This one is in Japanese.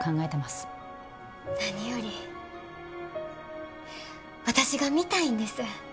何より私が見たいんです。